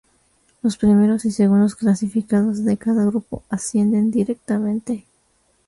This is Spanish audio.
Los primeros y segundos clasificados de cada grupo ascienden directamente.